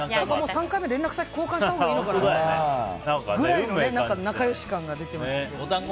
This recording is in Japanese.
３回目、連絡先を交換したほうがいいんじゃないかぐらいの仲良し感が出てましたけどね。